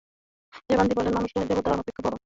বেদান্তী বলেন, মানুষ দেবতা অপেক্ষা বড়।